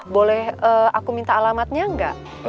boleh aku minta alamatnya enggak